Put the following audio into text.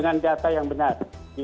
itu dari data yang benar